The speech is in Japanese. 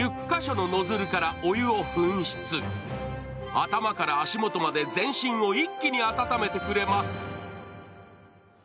頭から足元まで全身を一気に温めてくれます。